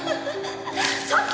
ちょっと！